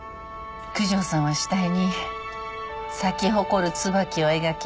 九条さんは下絵に咲き誇るツバキを描き